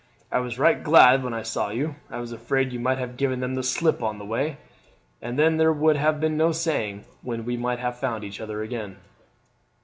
I was right glad when I saw you. I was afraid you might have given them the slip on the way, and then there would have been no saying when we might have found each other again."